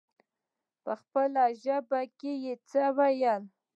په خپله ژبه يې څه ويل.